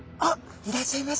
いらっしゃいませ。